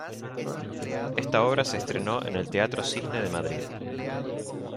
Esta obra se estrenó en el teatro Cisne de Madrid.